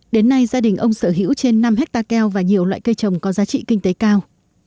đến nay gia đình ông sở hữu trên năm hectare keo và nhiều loại cây trồng có giá trị kinh tế cao